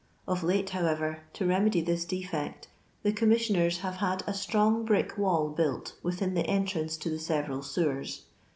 Of Ute, however, to remedy this defect, the Commission ers have had a strong brick wall built within the entrance to the several sewers.